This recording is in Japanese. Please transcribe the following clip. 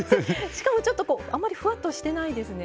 しかもちょっとこうあまりフワッとしてないですね。